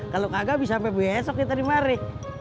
kalau kagak bisa sampai besok kita dimari